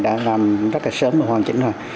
đã làm rất là sớm và hoàn chỉnh rồi